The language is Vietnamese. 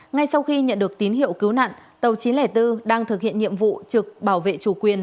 ngay sau khi nhận được tín hiệu cứu nạn tàu chín trăm linh bốn đang thực hiện nhiệm vụ trực bảo vệ chủ quyền